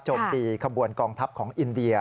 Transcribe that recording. โจมตีขบวนกองทัพของอินเดีย